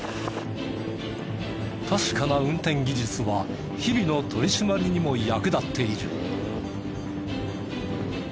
確かな運転技術は日々の取り締まりにも役立っている。